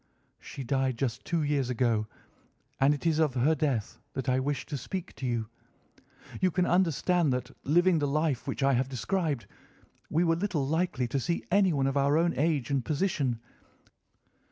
"She died just two years ago, and it is of her death that I wish to speak to you. You can understand that, living the life which I have described, we were little likely to see anyone of our own age and position.